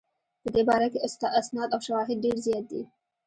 په دې باره کې اسناد او شواهد ډېر زیات دي.